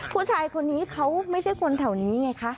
ผู้ชายคนนี้เขาไม่ใช่คนแถวนี้ไงคะ